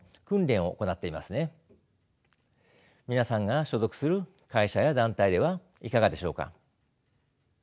皆さんが所属する会社や団体ではいかがでしょうか。